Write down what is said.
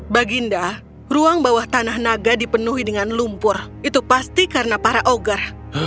baginda ruang bawah tanah naga dipenuhi dengan lumpur itu pasti karena para ogger